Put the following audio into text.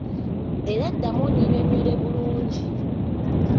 Era ddamu onnyinyonnyole bulungi!